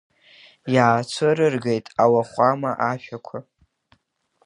Иаацәырыргеит ауахәама ашәақәа.